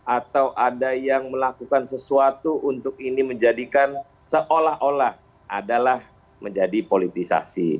atau ada yang melakukan sesuatu untuk ini menjadikan seolah olah adalah menjadi politisasi